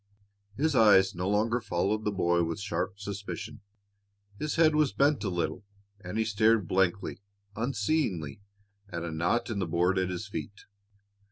His eyes no longer followed the boy with sharp suspicion. His head was bent a little, and he stared blankly, unseeingly, at a knot in the board at his feet.